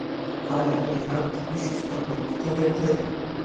آیا د ایران طبي سیستم پرمختللی نه دی؟